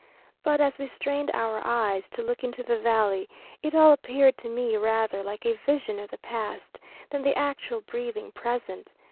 But as we strained our eyes to look into the valley, it all appeared to me rather like a vision of the Past than the actual breathing Present.